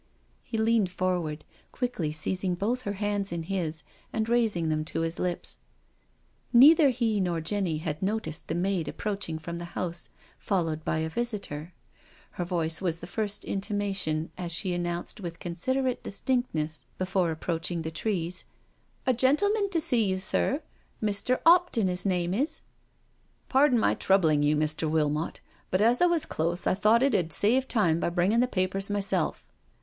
He leaned forward, quickly seizing both her hands in his and raising them to his lips. Neither he nor Jenny had noticed the maid ap proaching from the house, followed by a visitor. Her voice was the first intimation as she announced with considerate distinctness before approaching the trees: " A gentleman to see you, sir— Mr. 'Opton, his name is." " Pardon my troubling you, Mr. Wilmot, but as I was close by I thought it ud save time my bringing the papers myself."